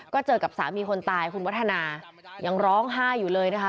ก็เจอกับสามีคนตายคุณวัฒนายังร้องไห้อยู่เลยนะคะ